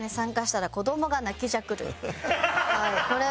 はいこれは。